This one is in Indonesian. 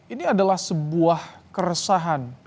ini adalah sebuah keresahan